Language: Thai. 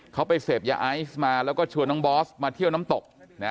เขาไปเสพยาไอซ์มาแล้วก็ชวนน้องบอสมาเที่ยวน้ำตก